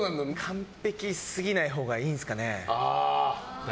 完璧すぎないほうがいいんですかね。